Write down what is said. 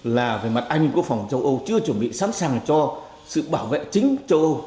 là về mặt anh quốc phòng châu âu chưa chuẩn bị sẵn sàng cho sự bảo vệ chính châu âu